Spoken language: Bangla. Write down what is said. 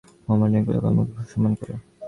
মোহামেডান ক্লাবের সবাই আমাকে খুব সম্মান করে।